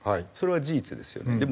それは事実ですよね。